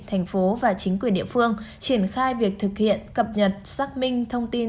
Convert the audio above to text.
thành phố và chính quyền địa phương triển khai việc thực hiện cập nhật xác minh thông tin